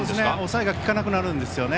抑えがきかなくなるんですね。